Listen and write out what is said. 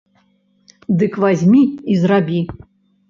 Дык вазьмі і зрабі!